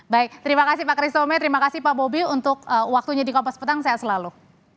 baik terima kasih pak kristomi terima kasih pak bobi untuk waktunya di kompas petang sehat selalu